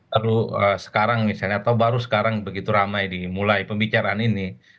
lalu sekarang misalnya atau baru sekarang begitu ramai dimulai pembicaraan ini